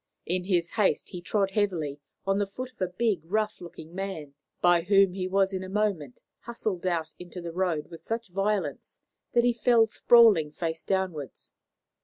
In his haste he trod heavily on the foot of a big, rough looking man, by whom he was in a moment hustled out into the road with such violence that he fell sprawling face downwards.